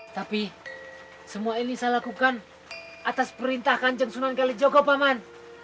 tapi semua ini saya lakukan atas perintah kanjeng sunan kelijogo pak man